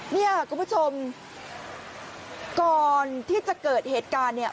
เนี่ยคุณผู้ชมก่อนที่จะเกิดเหตุการณ์เนี่ย